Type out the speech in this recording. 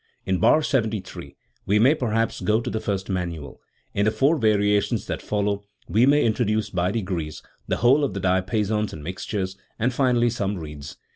In bar 73 we may perhaps go to the first, manual; in the four variations that follow we may introduce by degrees the whole of the diapasons and mixtures, and finally some reeds.